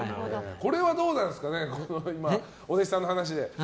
これはどうなんですかねお弟子さんの話で。